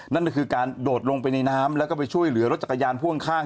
นั่นก็คือการโดดลงไปในน้ำแล้วก็ไปช่วยเหลือรถจักรยานพ่วงข้าง